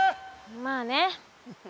まあね。